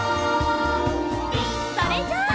それじゃあ。